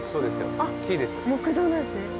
あっ木造なんですね。